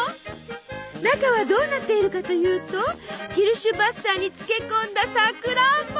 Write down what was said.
中はどうなっているかというとキルシュヴァッサーに漬け込んださくらんぼ！